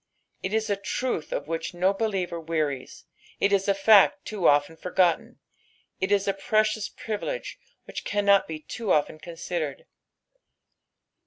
It u & truth of which no believer 'weAtin, it ii s fut too often forgotten, it is a precious privilege which cannot b« too often cODBidered.